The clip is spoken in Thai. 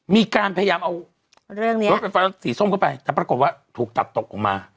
มีการพยายามเอาเรื่องนี้รถไฟฟ้าสีส้มเข้าไปแต่ปรากฏว่าถูกตัดตกออกมา